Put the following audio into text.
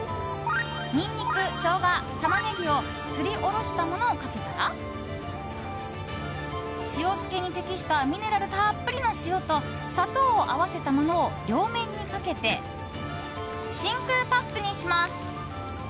ニンニク、ショウガ、タマネギをすり下ろしたものをかけたら塩漬けに適したミネラルたっぷりの塩と砂糖を合わせたものを両面にかけて真空パックにします。